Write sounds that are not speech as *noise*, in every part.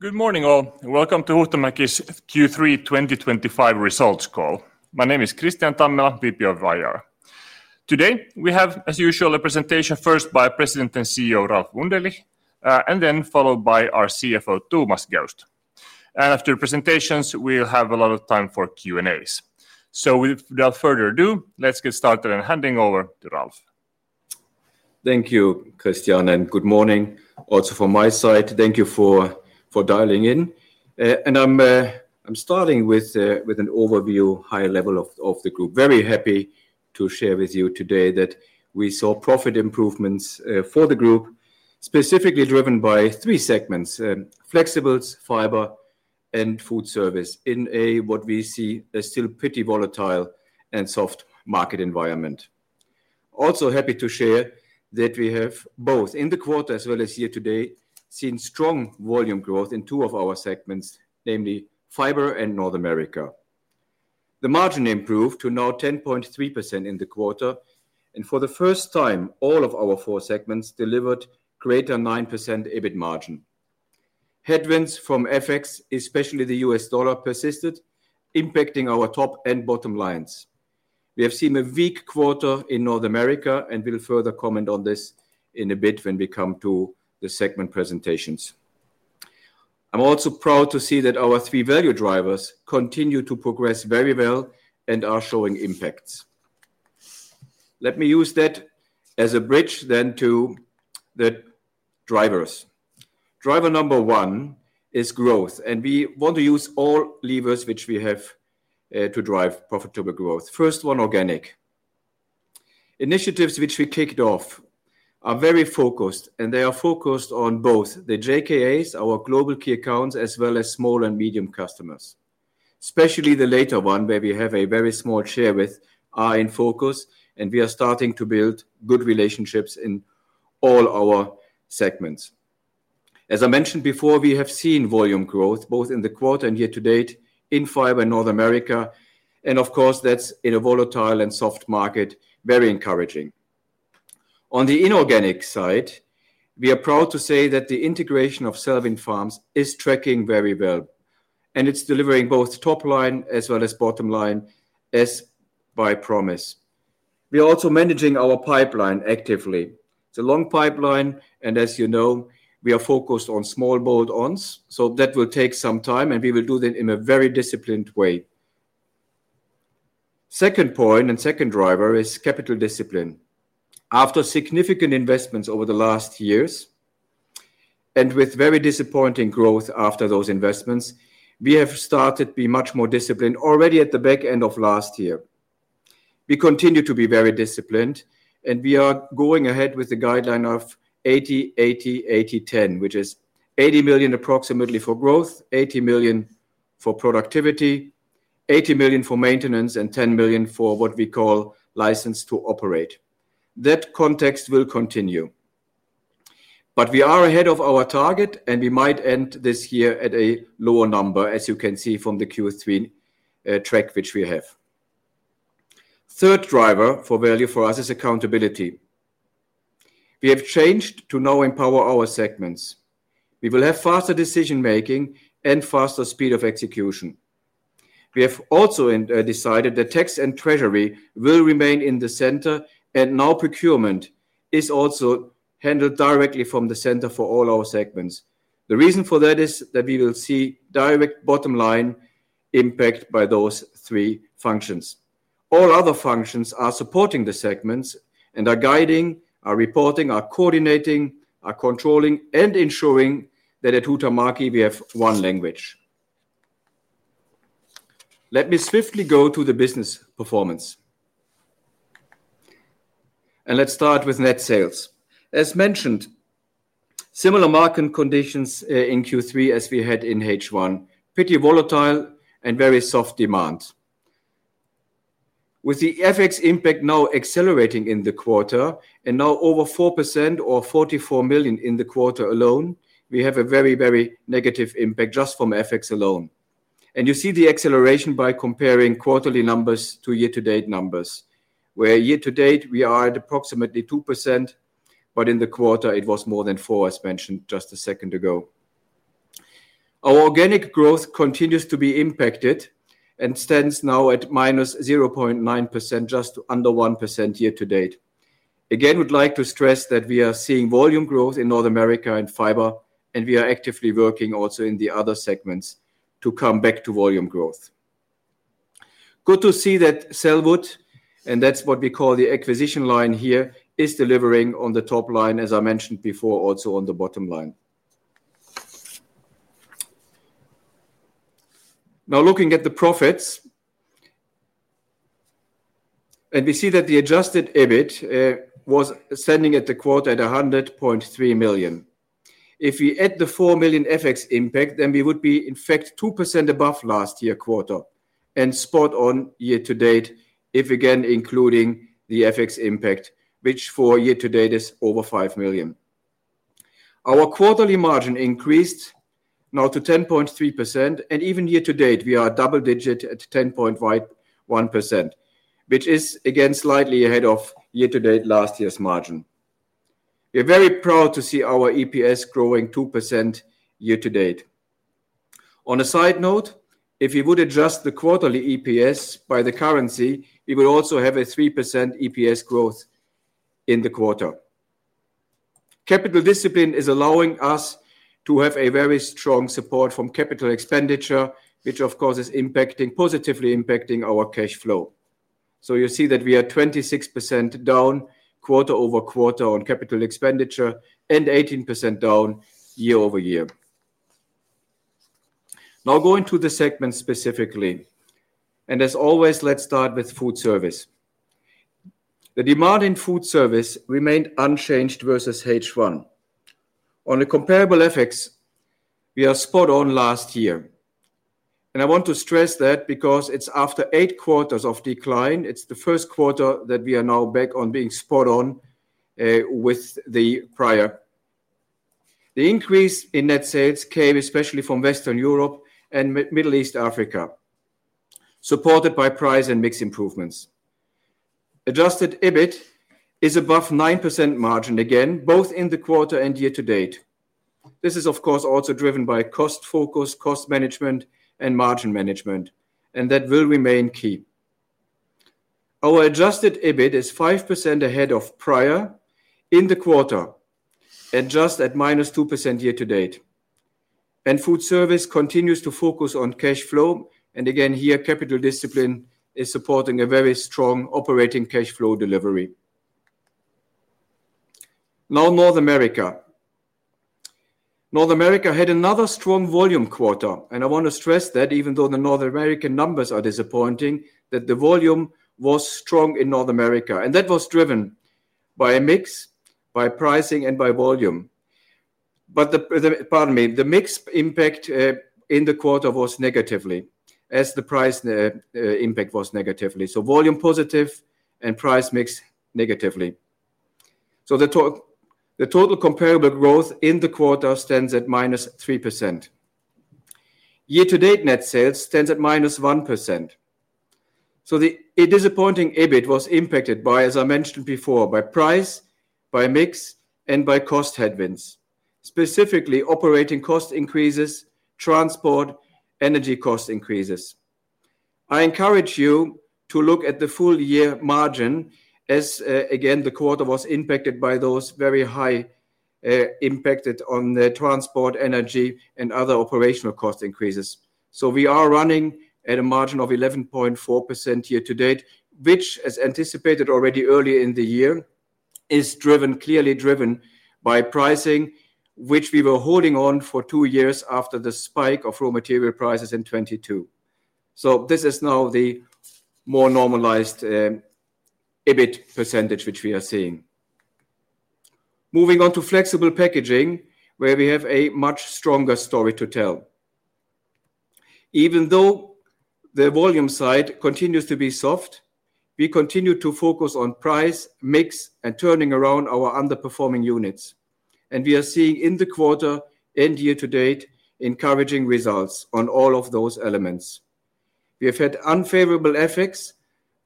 Good morning all, and welcome to Huhtamäki's Q3 2025 results call. My name is Kristian Tammela, VP of IR. Today we have, as usual, a presentation first by President and CEO Ralf Wunderlich, followed by our CFO, Thomas Geust. After presentations, we'll have a lot of time for Q&As. Without further ado, let's get started and hand over to Ralf. Thank you, Kristian, and good morning also from my side. Thank you for dialing in. I'm starting with an overview, a higher level of the group. Very happy to share with you today that we saw profit improvements for the group, specifically driven by three segments: flexibles, fiber, and food services in a, what we see, a still pretty volatile and soft market environment. Also happy to share that we have both in the quarter as well as here today seen strong volume growth in two of our segments, namely fiber and North America. The margin improved to now 10.3% in the quarter, and for the first time, all of our four segments delivered greater than 9% EBIT margin. Headwinds from FX, especially the U.S. dollar, persisted, impacting our top and bottom lines. We have seen a weak quarter in North America, and we'll further comment on this in a bit when we come to the segment presentations. I'm also proud to see that our three value drivers continue to progress very well and are showing impacts. Let me use that as a bridge then to the drivers. Driver number one is growth, and we want to use all levers which we have to drive profitable growth. First one, organic initiatives which we kicked off are very focused, and they are focused on both the JKAs, our global key accounts, as well as small and medium customers. Especially the latter one, where we have a very small share with, are in focus, and we are starting to build good relationships in all our segments. As I mentioned before, we have seen volume growth both in the quarter and year-to-date in fiber in North America, and of course, that's in a volatile and soft market, very encouraging. On the inorganic side, we are proud to say that the integration of Zellwin Farms is tracking very well, and it's delivering both top line as well as bottom line as by promise. We are also managing our pipeline actively. It's a long pipeline, and as you know, we are focused on small bolt-ons, so that will take some time, and we will do that in a very disciplined way. Second point and second driver is capital discipline. After significant investments over the last years, and with very disappointing growth after those investments, we have started to be much more disciplined already at the back end of last year. We continue to be very disciplined, and we are going ahead with the guideline of 80 million/EUR 80 million/EUR 80 million/EUR 10 million, which is 80 million approximately for growth, 80 million for productivity, 80 million for maintenance, and 10 million for what we call license to operate. That context will continue. We are ahead of our target, and we might end this year at a lower number, as you can see from the Q3 track which we have. The third driver for value for us is accountability. We have changed to now empower our segments. We will have faster decision-making and faster speed of execution. We have also decided that tax and treasury will remain in the center, and now procurement is also handled directly from the center for all our segments. The reason for that is that we will see direct bottom line impact by those three functions. All other functions are supporting the segments and are guiding, are reporting, are coordinating, are controlling, and ensuring that at Huhtamäki we have one language. Let me swiftly go to the business performance, and let's start with net sales. As mentioned, similar market conditions in Q3 as we had in H1, pretty volatile and very soft demand. With the FX impact now accelerating in the quarter, and now over 4% or 44 million in the quarter alone, we have a very, very negative impact just from FX alone. You see the acceleration by comparing quarterly numbers to year-to-date numbers, where year-to-date we are at approximately 2%, but in the quarter it was more than 4%, as mentioned just a second ago. Our organic growth continues to be impacted and stands now at -0.9%, just under 1% year-to-date. Again, we'd like to stress that we are seeing volume growth in North America in fiber, and we are actively working also in the other segments to come back to volume growth. Good to see that Zellwin Farms, and that's what we call the acquisition line here, is delivering on the top line, as I mentioned before, also on the bottom line. Now looking at the profits, we see that the adjusted EBIT was standing at the quarter at $100.3 million. If we add the $4 million FX impact, then we would be in fact 2% above last year quarter and spot on year-to-date if again including the FX impact, which for year-to-date is over $5 million. Our quarterly margin increased now to 10.3%, and even year-to-date we are double digit at 10.1%, which is again slightly ahead of year-to-date last year's margin. We're very proud to see our EPS growing 2% year-to-date. On a side note, if we would adjust the quarterly EPS by the currency, we would also have a 3% EPS growth in the quarter. Capital discipline is allowing us to have a very strong support from capital expenditure, which of course is positively impacting our cash flow. You see that we are 26% down quarter over quarter on capital expenditure and 18% down year over year. Now going to the segments specifically, and as always, let's start with foodservice. The demand in foodservice remained unchanged versus H1. On the comparable FX, we are spot on last year, and I want to stress that because it's after eight quarters of decline. It's the first quarter that we are now back on being spot on with the prior. The increase in net sales came especially from Western Europe and Middle East Africa, supported by price and mix improvements. Adjusted EBIT is above 9% margin again, both in the quarter and year-to-date. This is of course also driven by cost focus, cost management, and margin management, and that will remain key. Our adjusted EBIT is 5% ahead of prior in the quarter, adjusted at minus 2% year-to-date, and foodservice continues to focus on cash flow. Again here, capital discipline is supporting a very strong operating cash flow delivery. Now North America. North America had another strong volume quarter, and I want to stress that even though the North American numbers are disappointing, the volume was strong in North America, and that was driven by a mix, by pricing, and by volume. The mix impact in the quarter was negative, as the price impact was negative. Volume positive and price mix negative. The total comparable growth in the quarter stands at minus 3%. year-to-date net sales stands at minus 1%. The disappointing EBIT was impacted by, as I mentioned before, price, mix, and cost headwinds, specifically operating cost increases, transport, energy cost increases. I encourage you to look at the full year margin as the quarter was impacted by those very high impacts on the transport, energy, and other operational cost increases. We are running at a margin of 11.4% year-to-date, which, as anticipated already earlier in the year, is clearly driven by pricing, which we were holding on for two years after the spike of raw material prices in 2022. This is now the more normalized EBIT percentage which we are seeing. Moving on to flexible packaging, where we have a much stronger story to tell. Even though the volume side continues to be soft, we continue to focus on price, mix, and turning around our underperforming units. We are seeing in the quarter and year-to-date encouraging results on all of those elements. We have had unfavorable FX,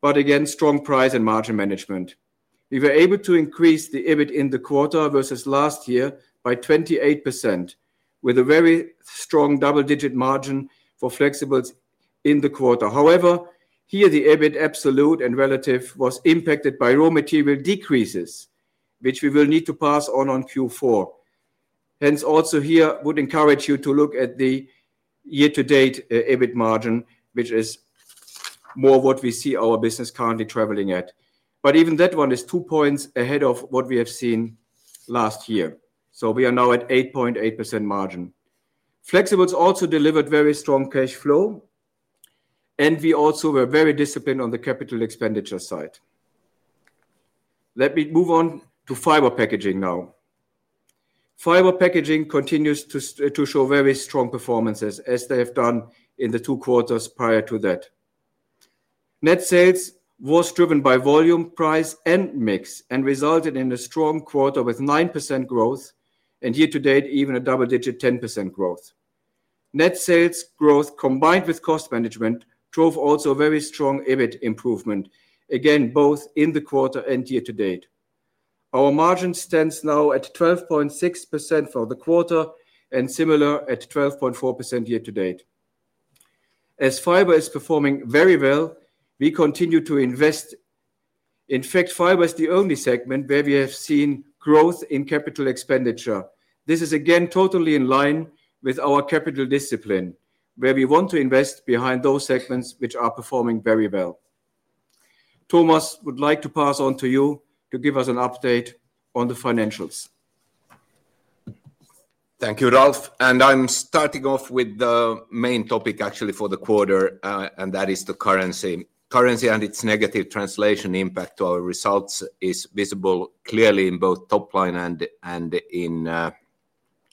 but again strong price and margin management. We were able to increase the EBIT in the quarter versus last year by 28%, with a very strong double-digit margin for flexibles in the quarter. However, here the EBIT absolute and relative was impacted by raw material decreases, which we will need to pass on in Q4. Hence, here I would encourage you to look at the year-to-date EBIT margin, which is more what we see our business currently traveling at. Even that one is two points ahead of what we have seen last year. We are now at 8.8% margin. Flexibles also delivered very strong cash flow, and we also were very disciplined on the capital expenditure side. Let me move on to fiber packaging now. Fiber packaging continues to show very strong performances, as they have done in the two quarters prior to that. Net sales were driven by volume, price, and mix, and resulted in a strong quarter with 9% growth, and year-to-date even a double-digit 10% growth. Net sales growth combined with cost management drove also a very strong EBIT improvement, again both in the quarter and year-to-date. Our margin stands now at 12.6% for the quarter, and similar at 12.4% year-to-date. As fiber is performing very well, we continue to invest. In fact, fiber is the only segment where we have seen growth in capital expenditure. This is again totally in line with our capital discipline, where we want to invest behind those segments which are performing very well. Thomas, I would like to pass on to you to give us an update on the financials. Thank you, Ralf. I'm starting off with the main topic actually for the quarter, and that is the currency. Currency and its negative translation impact to our results is visible clearly in both top line and in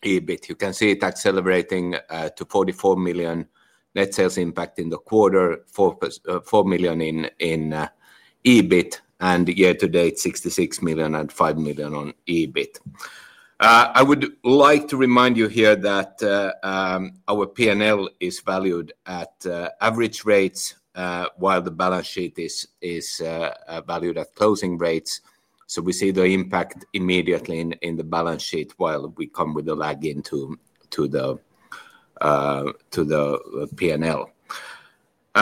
EBIT. You can see that accelerating to 44 million net sales impact in the quarter, 4 million in EBIT, and year-to-date 66 million and 5 million on EBIT. I would like to remind you here that our P&L is valued at average rates, while the balance sheet is valued at closing rates. We see the impact immediately in the balance sheet while we come with a lag into the P&L.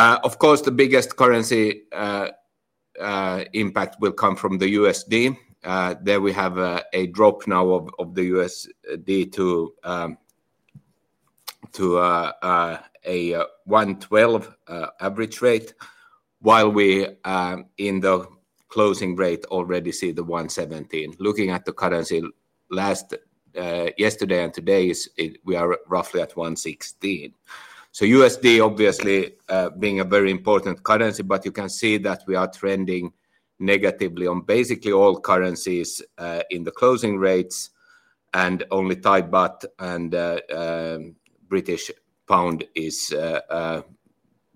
Of course, the biggest currency impact will come from the USD. There we have a drop now of the USD to a 1.12 average rate, while in the closing rate we already see the 1.17. Looking at the currency yesterday and today, we are roughly at 1.16. USD obviously being a very important currency, but you can see that we are trending negatively on basically all currencies in the closing rates, and only Thai Baht and British Pound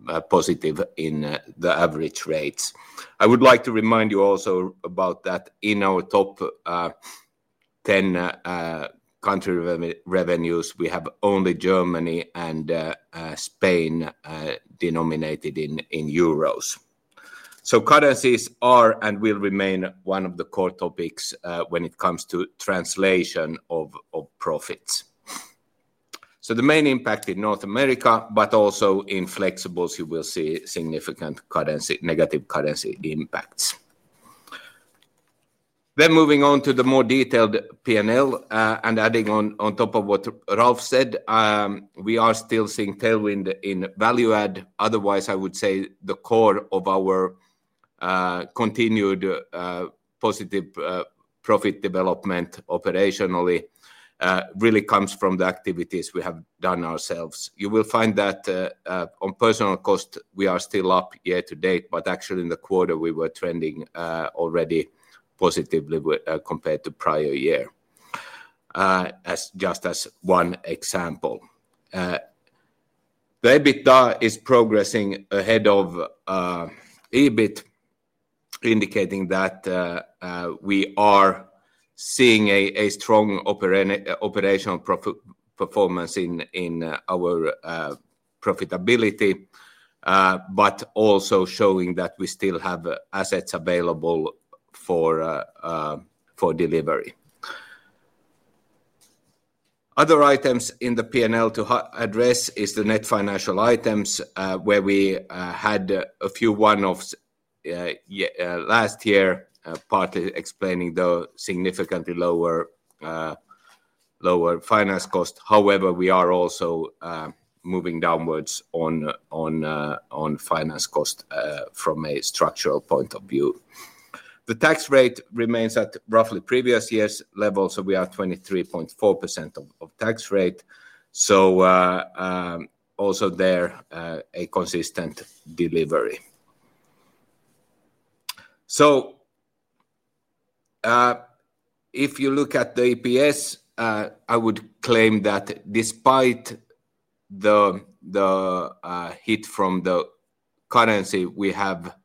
are positive in the average rates. I would like to remind you also that in our top 10 country revenues, we have only Germany and Spain denominated in euros. Currencies are and will remain one of the core topics when it comes to translation of profits. The main impact is in North America, but also in flexibles, you will see significant negative currency impacts. Moving on to the more detailed P&L and adding on top of what Ralf said, we are still seeing tailwind in value add. Otherwise, I would say the core of our continued positive profit development operationally really comes from the activities we have done ourselves. You will find that on personnel cost, we are still up year-to-date, but actually in the quarter, we were trending already positively compared to prior year, just as one example. The EBITDA is progressing ahead of EBIT, indicating that we are seeing a strong operational performance in our profitability, but also showing that we still have assets available for delivery. Other items in the P&L to address are the net financial items, where we had a few one-offs last year, partly explaining the significantly lower finance cost. However, we are also moving downwards on finance cost from a structural point of view. The tax rate remains at roughly previous year's level, so we are at 23.4% tax rate. Also there, a consistent delivery. If you look at the EPS, I would claim that despite the hit from the currency, we have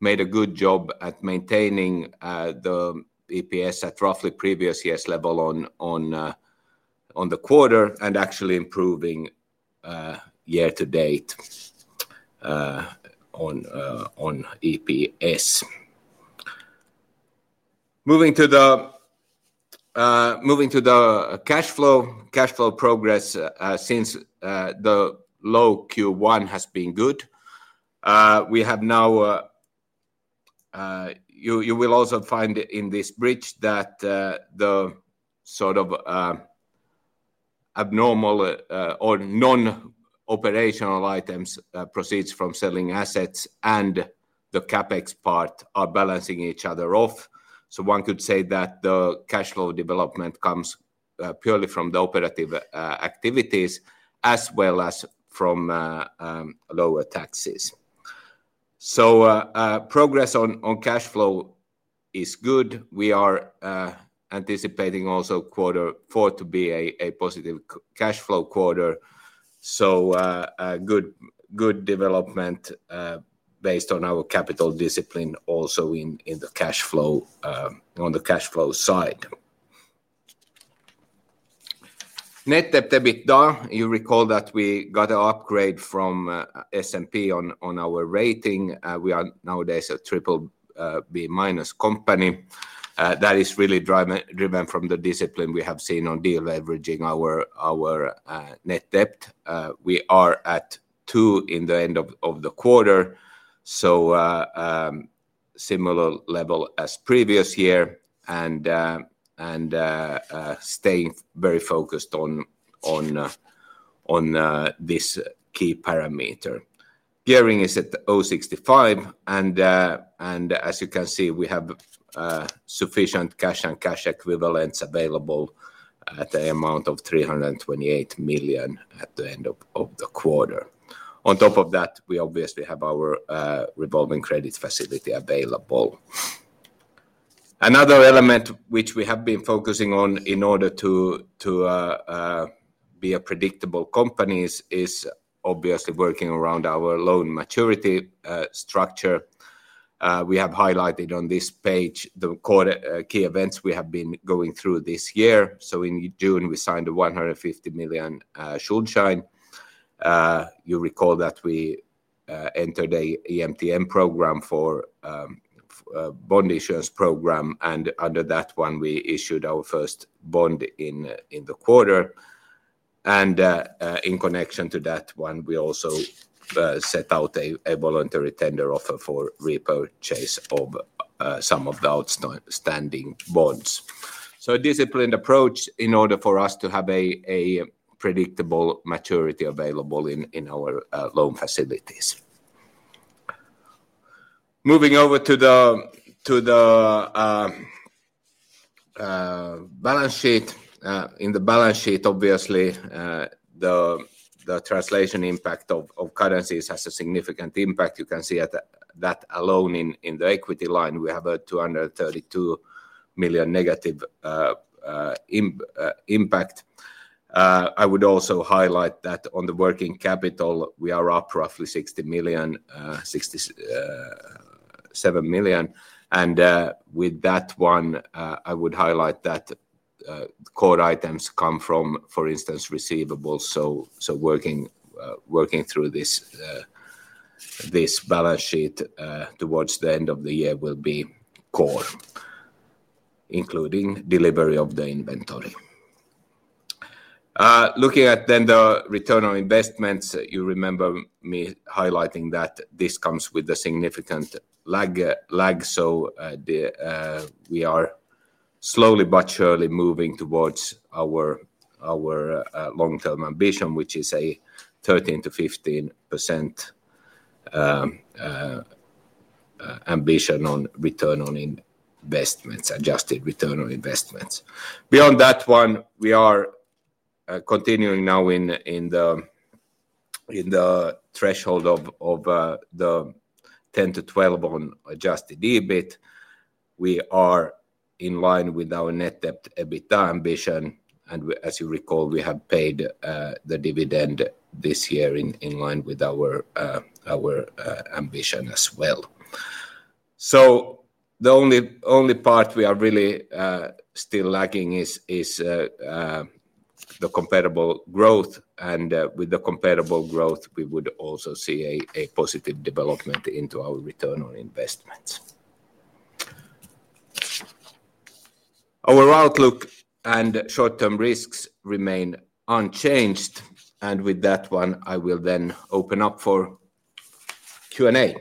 made a good job at maintaining the EPS at roughly previous year's level on the quarter and actually improving year-to-date on EPS. Moving to the cash flow, progress since the low Q1 has been good. You will also find in this bridge that the sort of abnormal or non-operational items, proceeds from selling assets, and the CapEx part are balancing each other off. One could say that the cash flow development comes purely from the operative activities as well as from lower taxes. Progress on cash flow is good. We are anticipating quarter four to be a positive cash flow quarter. Good development based on our capital discipline also on the cash flow side. Net debt/EBITDA, you recall that we got an upgrade from S&P on our rating. We are nowadays a BBB- company. That is really driven from the discipline we have seen on deleveraging our net debt. We are at 2 at the end of the quarter, so similar level as previous year and staying very focused on this key parameter. Gearing is at 0.65, and as you can see, we have sufficient cash and cash equivalents available at the amount of 328 million at the end of the quarter. On top of that, we obviously have our revolving credit facility available. Another element which we have been focusing on in order to be a predictable company is working around our loan maturity structure. We have highlighted on this page the key events we have been going through this year. In June, we signed a 150 million Schuldschein. You recall that we entered the EMTN program for a bond issuance program, and under that one, we issued our first bond in the quarter. In connection to that one, we also set out a voluntary tender offer for repurchase of some of the outstanding bonds. A disciplined approach in order for us to have a predictable maturity available in our loan facilities. Moving over to the balance sheet, in the balance sheet, the translation impact of currencies has a significant impact. You can see that alone in the equity line, we have a 232 million negative impact. I would also highlight that on the working capital, we are up roughly 67 million. With that one, I would highlight that core items come from, for instance, receivables. Working through this balance sheet towards the end of the year will be core, including delivery of the inventory. Looking at then the return on investments, you remember me highlighting that this comes with a significant lag. We are slowly but surely moving towards our long-term ambition, which is a 13%-15% ambition on return on investments, adjusted return on investments. Beyond that one, we are continuing now in the threshold of the 10%-12% on adjusted EBIT. We are in line with our net debt/EBITDA ambition. As you recall, we have paid the dividend this year in line with our ambition as well. The only part we are really still lagging is the comparable growth. With the comparable growth, we would also see a positive development into our return on investments. Our outlook and short-term risks remain unchanged. With that one, I will then open up for Q&A.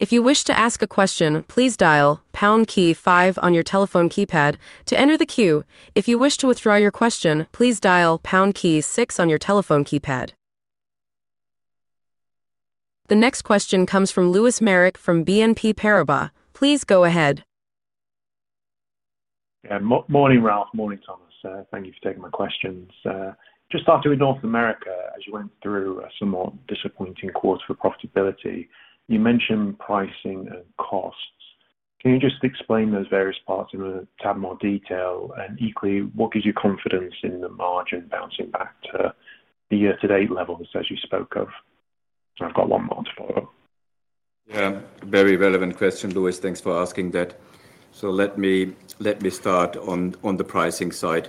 If you wish to ask a question, please dial pound key five on your telephone keypad to enter the queue. If you wish to withdraw your question, please dial pound key six on your telephone keypad. The next question comes from Lewis Merrick from BNP Paribas. Please go ahead. Morning, Ralf. Morning, Thomas. Thank you for taking my questions. Just starting with North America, as you went through a somewhat disappointing quarter for profitability, you mentioned pricing and costs. Can you just explain those various parts in a tad more detail? Equally, what gives you confidence in the margin bouncing back to the year-to-date levels as you spoke of? I've got one more to follow up. Yeah, very relevant question, Lewis. Thanks for asking that. Let me start on the pricing side.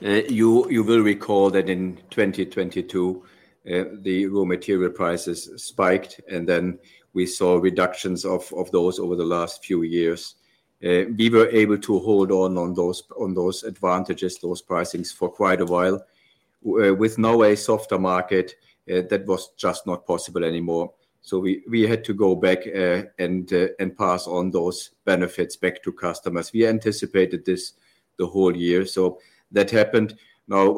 You will recall that in 2022, the raw material prices spiked, and then we saw reductions of those over the last few years. We were able to hold on to those advantages, those pricings for quite a while. With now a softer market, that was just not possible anymore. We had to go back and pass on those benefits back to customers. We anticipated this the whole year. That happened.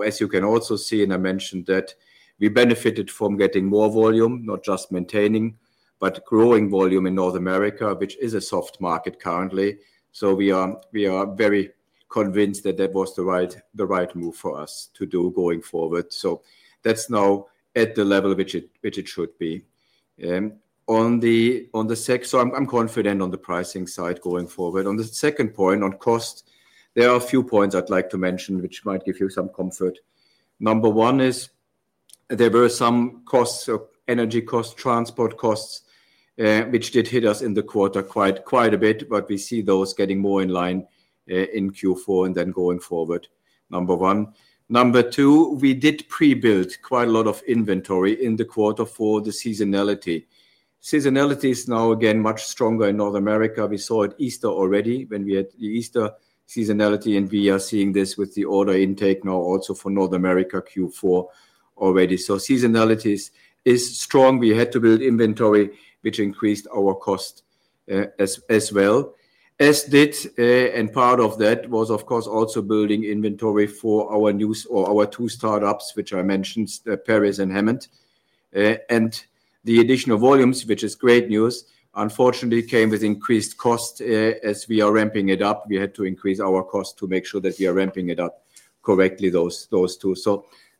As you can also see, and I mentioned that, we benefited from getting more volume, not just maintaining, but growing volume in North America, which is a soft market currently. We are very convinced that that was the right move for us to do going forward. That's now at the level which it should be. I'm confident on the pricing side going forward. On the second point, on cost, there are a few points I'd like to mention which might give you some comfort. Number one is there were some costs, energy costs, transport costs, which did hit us in the quarter quite a bit, but we see those getting more in line in Q4 and then going forward, number one. Number two, we did pre-build quite a lot of inventory in the quarter for the seasonality. Seasonality is now again much stronger in North America. We saw it Easter already when we had the Easter seasonality, and we are seeing this with the order intake now also for North America Q4 already. Seasonality is strong. We had to build inventory, which increased our cost as well. Part of that was, of course, also building inventory for our news or our two startups, which I mentioned, Paris and Hammond. The additional volumes, which is great news, unfortunately came with increased costs. As we are ramping it up, we had to increase our costs to make sure that we are ramping it up correctly, those two.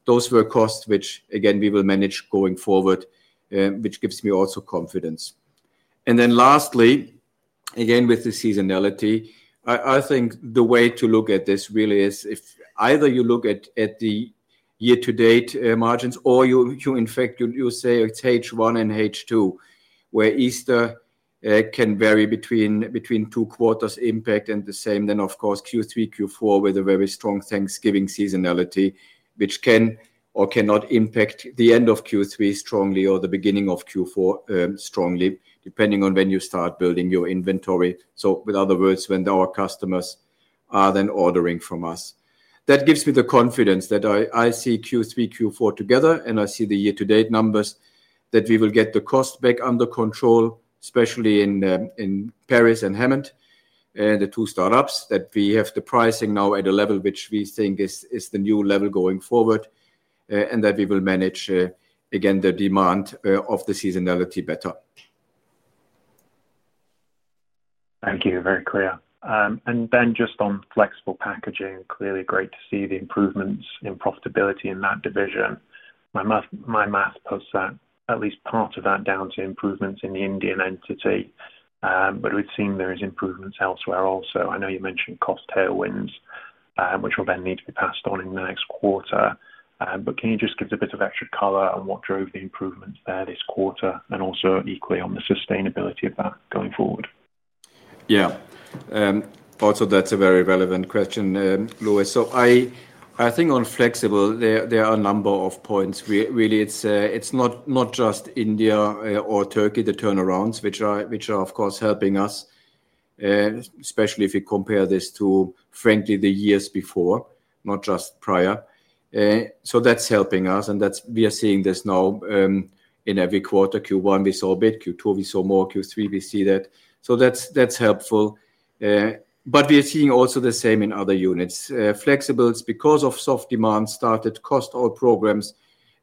Those were costs which, again, we will manage going forward, which gives me also confidence. Lastly, again, with the seasonality, I think the way to look at this really is if either you look at the year-to-date margins or you, in fact, you say it's H1 and H2, where Easter can vary between two quarters' impact and the same, then, of course, Q3, Q4 with a very strong Thanksgiving seasonality, which can or cannot impact the end of Q3 strongly or the beginning of Q4 strongly, depending on when you start building your inventory. In other words, when our customers are then ordering from us. That gives me the confidence that I see Q3, Q4 together, and I see the year-to-date numbers, that we will get the cost back under control, especially in Paris and Hammond, the two startups, that we have the pricing now at a level which we think is the new level going forward, and that we will manage, again, the demand of the seasonality better. Thank you. Very clear. On flexible packaging, clearly great to see the improvements in profitability in that division. My math puts that at least part of that down to improvements in the Indian entity. We've seen there are improvements elsewhere also. I know you mentioned cost tailwinds, which will need to be passed on in the next quarter. Can you just give us a bit of extra color on what drove the improvements there this quarter and also equally on the sustainability of that going forward? Yeah. Also, that's a very relevant question, Lewis. I think on flexible, there are a number of points. Really, it's not just India or Turkey, the turnarounds, which are, of course, helping us, especially if you compare this to, frankly, the years before, not just prior. That's helping us, and we are seeing this now in every quarter. Q1, we saw a bit. Q2, we saw more. Q3, we see that. That's helpful. We are seeing also the same in other units. Flexibles, because of soft demand, started cost all programs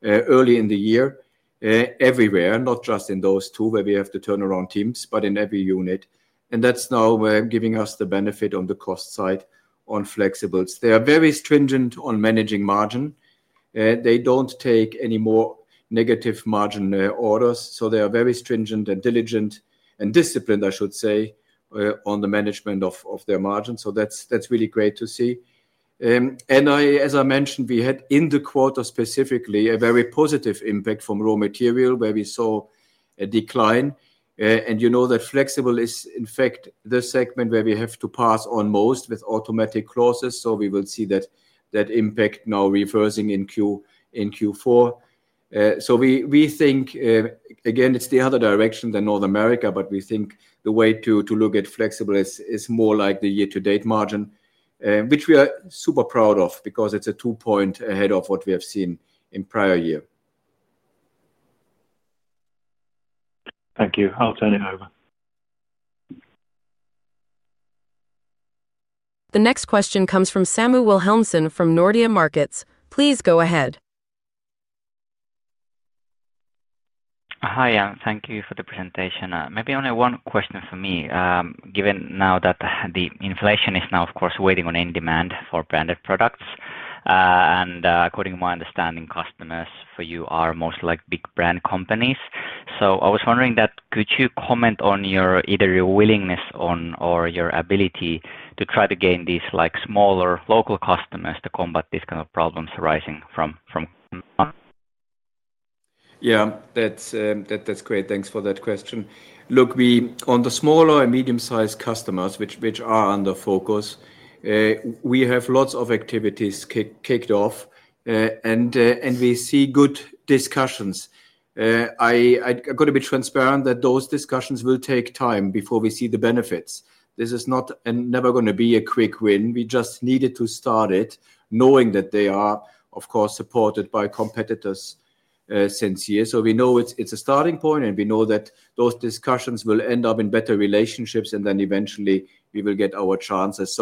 early in the year everywhere, not just in those two where we have the turnaround teams, but in every unit. That's now giving us the benefit on the cost side on flexibles. They are very stringent on managing margin. They don't take any more negative margin orders. They are very stringent and diligent and disciplined, I should say, on the management of their margins. That's really great to see. As I mentioned, we had in the quarter specifically a very positive impact from raw material where we saw a decline. You know that flexible is, in fact, the segment where we have to pass on most with automatic clauses. We will see that impact now reversing in Q4. We think, again, it's the other direction than North America, but we think the way to look at flexible is more like the year-to-date margin, which we are super proud of because it's a two-point ahead of what we have seen in prior year. Thank you. I'll turn it over. The next question comes from Samu Wilhelmsen from Nordea Markets. Please go ahead. Hi, thank you for the presentation. Maybe only one question for me, given now that the inflation is now, of course, weighing on in-demand for branded products. According to my understanding, customers for you are mostly big brand companies. I was wondering, could you comment on either your willingness or your ability to try to gain these smaller local customers to combat these kind of problems arising from? Yeah, that's great. Thanks for that question. On the smaller and medium-sized customers, which are under focus, we have lots of activities kicked off, and we see good discussions. I got to be transparent that those discussions will take time before we see the benefits. This is not and never going to be a quick win. We just needed to start it knowing that they are, of course, supported by competitors since here. We know it's a starting point, and we know that those discussions will end up in better relationships, and eventually we will get our chances.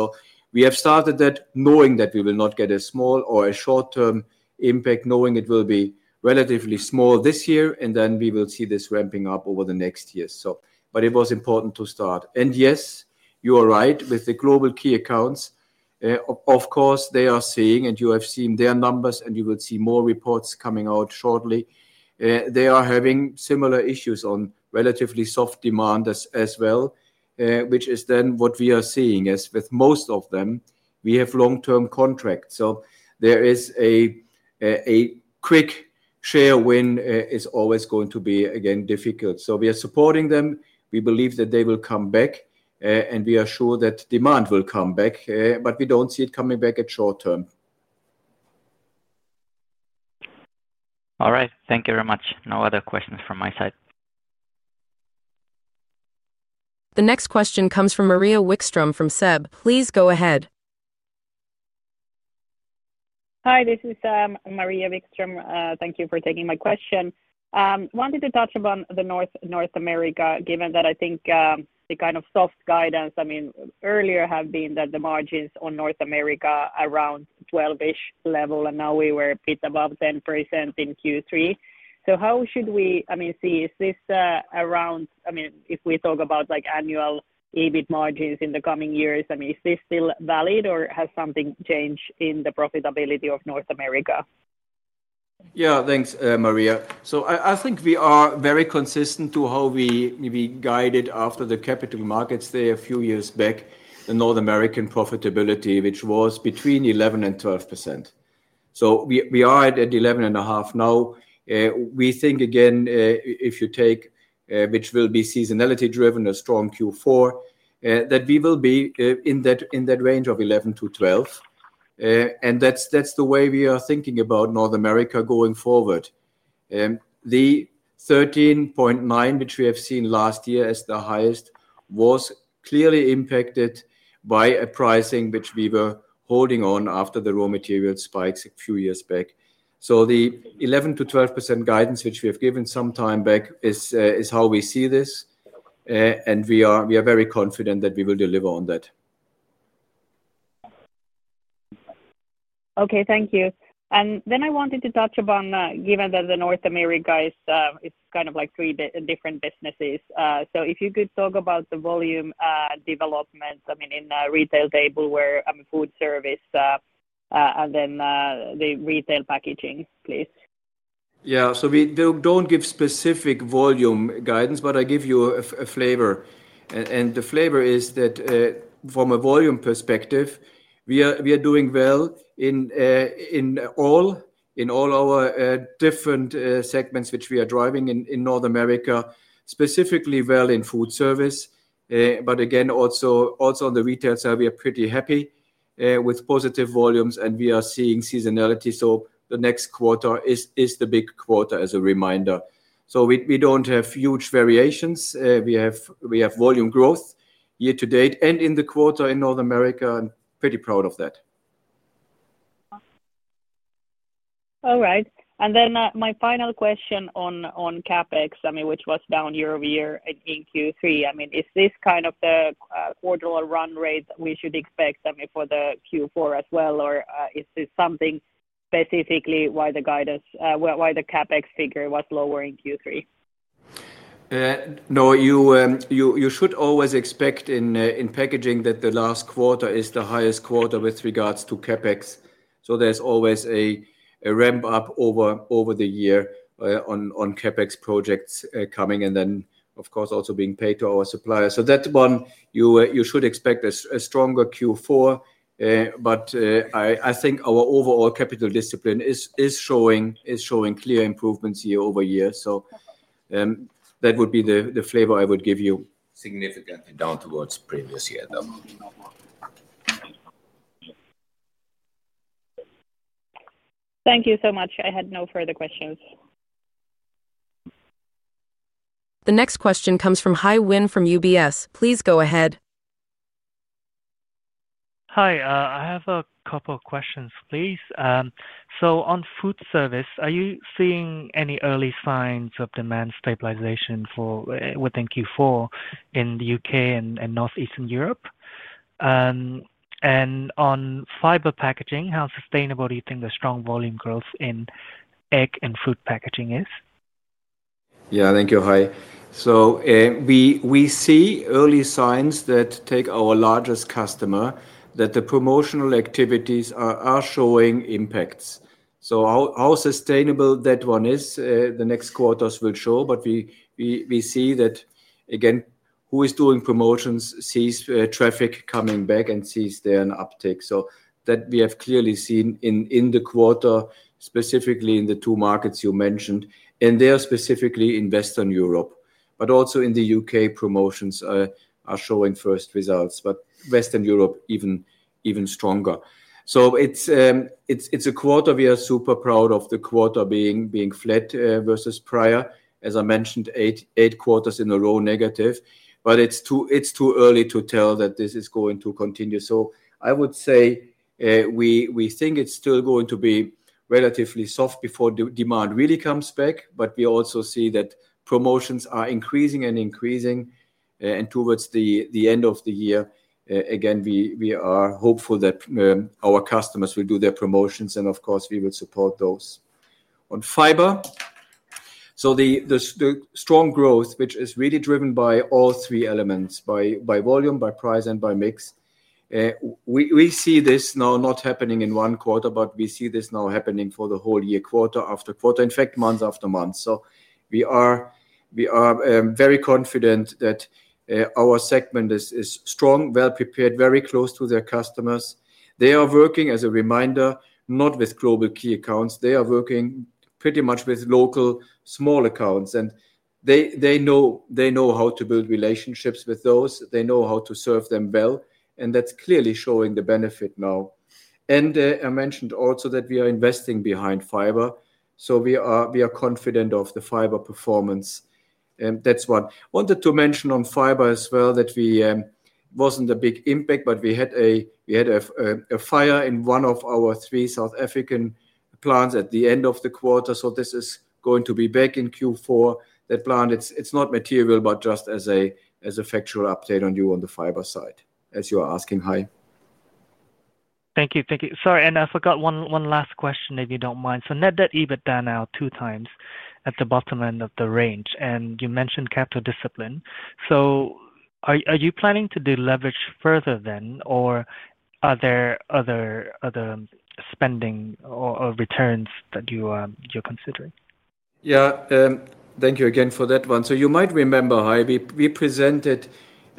We have started that knowing that we will not get a small or a short-term impact, knowing it will be relatively small this year, and we will see this ramping up over the next year. It was important to start. Yes, you are right with the global key accounts. Of course, they are seeing, and you have seen their numbers, and you will see more reports coming out shortly. They are having similar issues on relatively soft demand as well, which is then what we are seeing as with most of them, we have long-term contracts. A quick share win is always going to be, again, difficult. We are supporting them. We believe that they will come back, and we are sure that demand will come back, but we don't see it coming back at short term. All right. Thank you very much. No other questions from my side. The next question comes from Maria Wikstrom from SEB. Please go ahead. Hi, this is Maria Wikstrom. Thank you for taking my question. I wanted to touch upon North America, given that I think the kind of soft guidance earlier has been that the margins on North America are around 12% level, and now we were a bit above 10% in Q3. How should we see this? If we talk about annual EBIT margins in the coming years, is this still valid or has something changed in the profitability of North America? Yeah, thanks, Maria. I think we are very consistent to how we guided after the capital markets there a few years back, the North American profitability, which was between 11% and 12%. We are at 11.5% now. We think, if you take, which will be seasonality-driven, a strong Q4, that we will be in that range of 11%-12%. That's the way we are thinking about North America going forward. The 13.9%, which we have seen last year as the highest, was clearly impacted by a pricing which we were holding on after the raw material spikes a few years back. The 11%-12% guidance, which we have given some time back, is how we see this, and we are very confident that we will deliver on that. Okay, thank you. I wanted to touch upon, given that North America is kind of like three different businesses. If you could talk about the volume development, I mean, in the retail table where I'm a foodservice and then the retail packaging, please. We don't give specific volume guidance, but I give you a flavor. The flavor is that from a volume perspective, we are doing well in all our different segments, which we are driving in North America, specifically well in foodservice. Again, also on the retail side, we are pretty happy with positive volumes, and we are seeing seasonality. The next quarter is the big quarter as a reminder. We don't have huge variations. We have volume growth year-to-date, and in the quarter in North America, I'm pretty proud of that. All right. My final question on CapEx, which was down year over year in Q3, is this kind of the quarterly run rate we should expect for Q4 as well, or is there something specifically why the CapEx figure was lower in Q3? No, you should always expect in packaging that the last quarter is the highest quarter with regards to CapEx. There is always a ramp-up over the year on CapEx projects coming, and then, of course, also being paid to our suppliers. You should expect a stronger Q4. I think our overall capital discipline is showing clear improvements year over year. That would be the flavor I would give you. Significantly down towards previous year, though. Thank you so much. I had no further questions. The next question comes from Hai Huynh from UBS. Please go ahead. Hi, I have a couple of questions, please. On foodservice, are you seeing any early signs of demand stabilization within Q4 in the U.K. and Northeastern Europe? On fiber packaging, how sustainable do you think the strong volume growth in egg and fruit packaging is? Yeah, thank you, Hai. We see early signs that, take our largest customer, the promotional activities are showing impacts. How sustainable that one is, the next quarters will show, but we see that, again, who is doing promotions sees traffic coming back and sees there an uptake. We have clearly seen that in the quarter, specifically in the two markets you mentioned, and there specifically in Western Europe, but also in the U.K., promotions are showing first results, with Western Europe even stronger. It's a quarter we are super proud of, the quarter being flat versus prior. As I mentioned, eight quarters in a row negative, but it's too early to tell that this is going to continue. I would say we think it's still going to be relatively soft before demand really comes back, but we also see that promotions are increasing and increasing. Towards the end of the year, we are hopeful that our customers will do their promotions, and of course, we will support those. On fiber, the strong growth, which is really driven by all three elements, by volume, by price, and by mix, we see this now not happening in one quarter, but we see this now happening for the whole year, quarter after quarter, in fact, month after month. We are very confident that our segment is strong, well prepared, very close to their customers. They are working, as a reminder, not with global key accounts. They are working pretty much with local small accounts. They know how to build relationships with those. They know how to serve them well. That's clearly showing the benefit now. I mentioned also that we are investing behind fiber. We are confident of the fiber performance. That's what I wanted to mention on fiber as well, that it wasn't a big impact, but we had a fire in one of our three South African plants at the end of the quarter. This is going to be back in Q4, that plant. It's not material, but just as a factual update for you on the fiber side, as you are asking, Hai. Thank you. Sorry, I forgot one last question, if you don't mind. Net debt/EBITDA is now two times at the bottom end of the range, and you mentioned capital discipline. Are you planning to deleverage further then, or are there other spending or returns that you're considering? Thank you again for that one. You might remember, Hai, we presented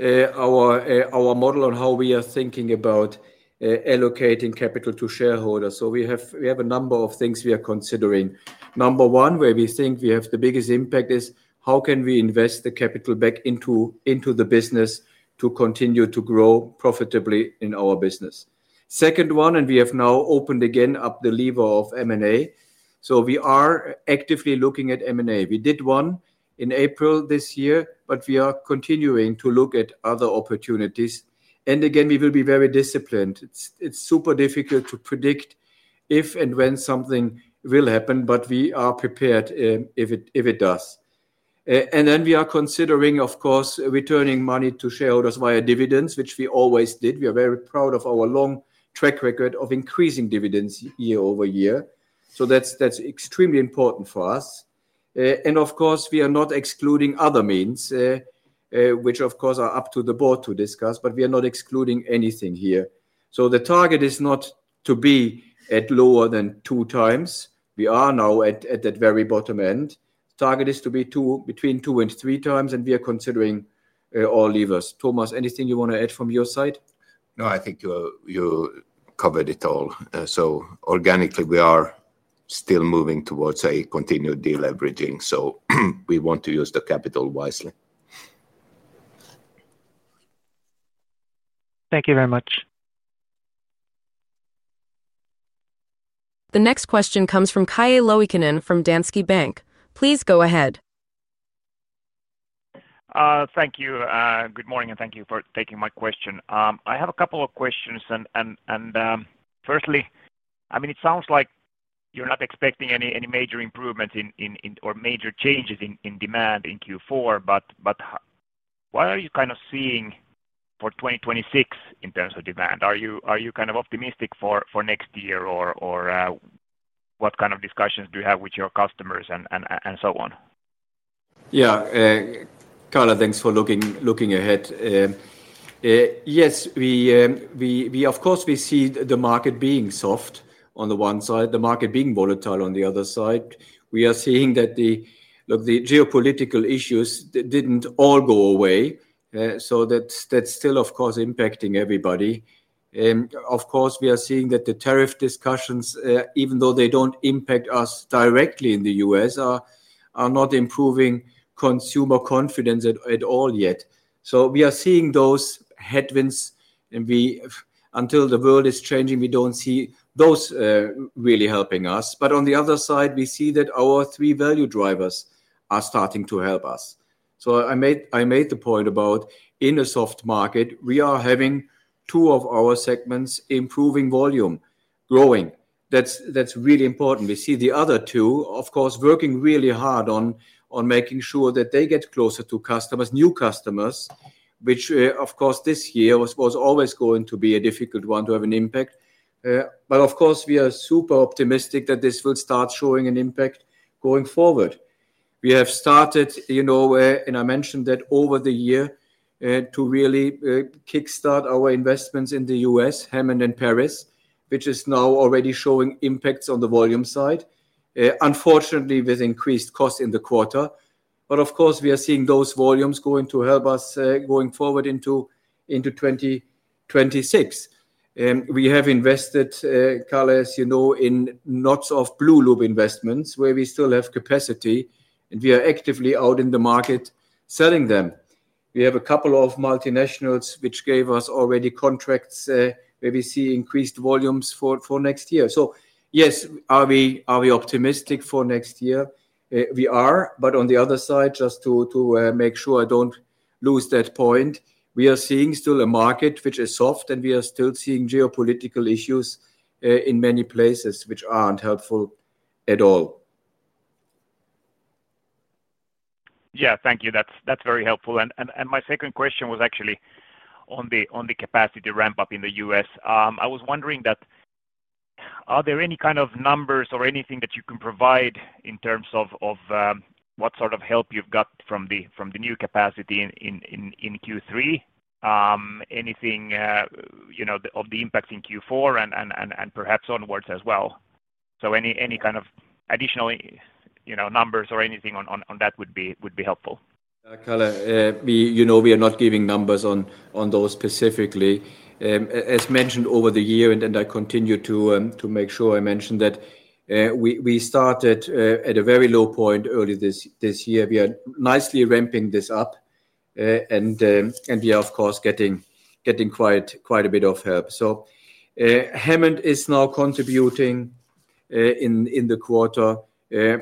our model on how we are thinking about allocating capital to shareholders. We have a number of things we are considering. Number one, where we think we have the biggest impact is how can we invest the capital back into the business to continue to grow profitably in our business. The second one, and we have now opened again up the lever of M&A. We are actively looking at M&A. We did one in April this year, but we are continuing to look at other opportunities. We will be very disciplined. It's super difficult to predict if and when something will happen, but we are prepared if it does. We are considering, of course, returning money to shareholders via dividends, which we always did. We are very proud of our long track record of increasing dividends year over year. That's extremely important for us. We are not excluding other means, which are up to the board to discuss, but we are not excluding anything here. The target is not to be at lower than two times. We are now at that very bottom end. The target is to be between two and three times, and we are considering all levers. Thomas, anything you want to add from your side? No, I think you covered it all. Organically, we are still moving towards a continued deleveraging. We want to use the capital wisely. Thank you very much. The next question comes from Calle Loikkanen from Danske Bank. Please go ahead. Thank you. Good morning, and thank you for taking my question. I have a couple of questions. Firstly, it sounds like you're not expecting any major improvements or major changes in demand in Q4, but what are you kind of seeing for 2026 in terms of demand? Are you kind of optimistic for next year, or what kind of discussions do you have with your customers and so on? Yeah, Calle, thanks for looking ahead. Yes, we, of course, see the market being soft on the one side, the market being volatile on the other side. We are seeing that the geopolitical issues didn't all go away. That's still, of course, impacting everybody. We are seeing that the tariff discussions, even though they don't impact us directly in the U.S., are not improving consumer confidence at all yet. We are seeing those headwinds, and until the world is changing, we don't see those really helping us. On the other side, we see that our three value drivers are starting to help us. I made the point about in a soft market, we are having two of our segments improving volume, growing. That's really important. We see the other two, of course, working really hard on making sure that they get closer to customers, new customers, which, of course, this year was always going to be a difficult one to have an impact. We are super optimistic that this will start showing an impact going forward. We have started, you know, and I mentioned that over the year, to really kickstart our investments in the U.S., Hammond and Paris, which is now already showing impacts on the volume side, unfortunately, with increased costs in the quarter. We are seeing those volumes going to help us going forward into 2026. We have invested, Calle, as you know, in lots of blue-loop investments where we still have capacity, and we are actively out in the market selling them. We have a couple of multinationals which gave us already contracts where we see increased volumes for next year. Yes, are we optimistic for next year? We are. On the other side, just to make sure I don't lose that point, we are seeing still a market which is soft, and we are still seeing geopolitical issues in many places which aren't helpful at all. Thank you. That's very helpful. My second question was actually on the capacity ramp-up in the U.S. I was wondering if there are any kind of numbers or anything that you can provide in terms of what sort of help you've got from the new capacity in Q3. Anything on the impacts in Q4 and perhaps onwards as well? Any kind of additional numbers or anything on that would be helpful. Yeah, Calle, we are not giving numbers on those specifically. As mentioned over the year, and I continue to make sure I mention that we started at a very low point early this year. We are nicely ramping this up, and we are, of course, getting quite a bit of help. Hammond is now contributing in the quarter.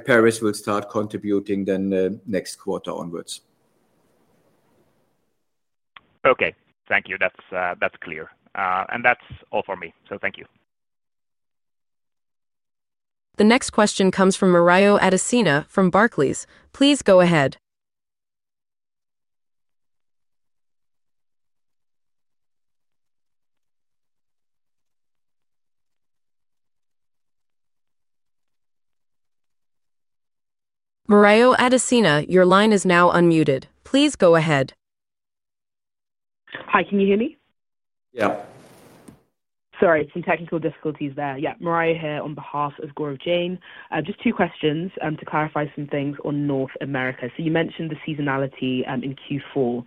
Paris will start contributing next quarter onwards. Okay, thank you. That's clear. That's all for me. Thank you. The next question comes from Morayo Adesina from Barclays. Please go ahead. *audio distortion* Morayo Adesina, your line is now unmuted. Please go ahead. Hi, can you hear me? Yeah. Sorry, some technical difficulties there. Yeah, Morayo here on behalf of Grow Jane. Just two questions to clarify some things on North America. You mentioned the seasonality in Q4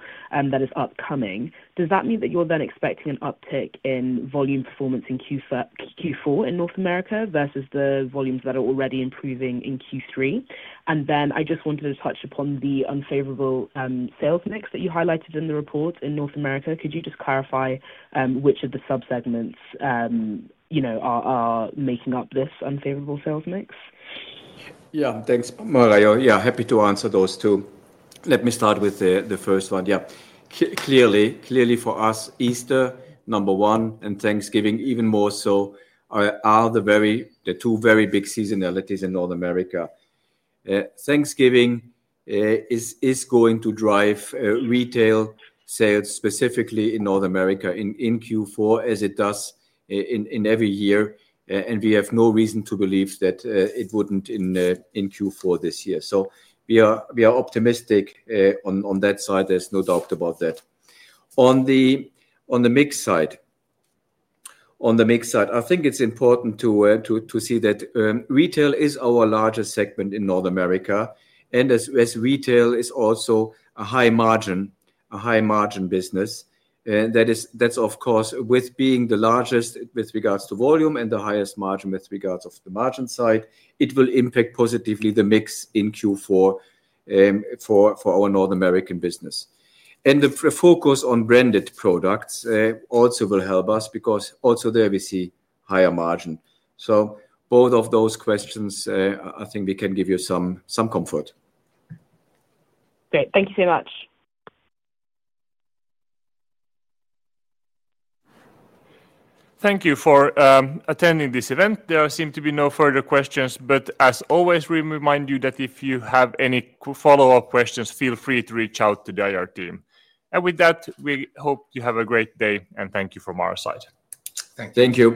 that is upcoming. Does that mean that you're then expecting an uptick in volume performance in Q4 in North America versus the volumes that are already improving in Q3? I just wanted to touch upon the unfavorable sales mix that you highlighted in the report in North America. Could you just clarify which of the subsegments are making up this unfavorable sales mix? Yeah, thanks, Morayo. Happy to answer those two. Let me start with the first one. Clearly for us, Easter, number one, and Thanksgiving, even more so, are the two very big seasonalities in North America. Thanksgiving is going to drive retail sales specifically in North America in Q4, as it does in every year. We have no reason to believe that it wouldn't in Q4 this year. We are optimistic on that side. There's no doubt about that. On the mix side, I think it's important to see that retail is our largest segment in North America. As retail is also a high margin business, that is, of course, with being the largest with regards to volume and the highest margin with regards to the margin side, it will impact positively the mix in Q4 for our North American business. The focus on branded products also will help us because also there we see higher margin. Both of those questions, I think we can give you some comfort. Great. Thank you so much. Thank you for attending this event. There seem to be no further questions. As always, we remind you that if you have any follow-up questions, feel free to reach out to the IR team. With that, we hope you have a great day, and thank you from our side. Thank you.